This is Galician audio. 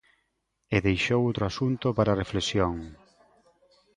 E deixou outro asunto para a reflexión.